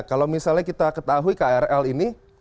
kalau misalnya kita ketahui krl ini